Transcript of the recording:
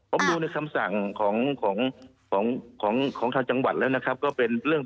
ผมดูในคำสั่งของของทางจังหวัดแล้วนะครับก็เป็นเรื่อง